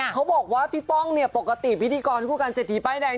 เขาบอกว่าพี่ป้องเนี่ยปกติพิธฑีกรทุกคนเสทีไต้แดง